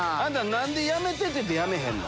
何でやめて！って言ってやめへんの？